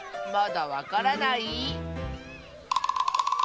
まだわからない？